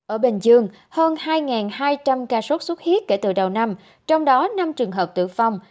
ở bình dương hơn hai hai trăm linh ca sốt xuất huyết kể từ đầu năm trong đó năm trường hợp tử vong